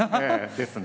ですね。